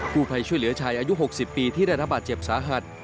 ผู้ภัยช่วยเหลือชายอายุ๖๐ปีที่ได้รับบาดเจ็บสาหัส